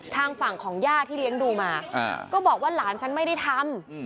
ทางฝั่งของย่าที่เลี้ยงดูมาก็บอกว่าหลานฉันไม่ได้ทำ